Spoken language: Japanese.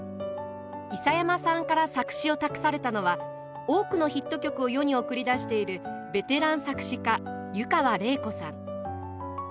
諫山さんから作詞を託されのは多くのヒット曲を世に送り出しているベテラン作詞家湯川れい子さん。